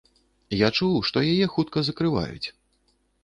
Я чуў, што яе хутка закрываюць.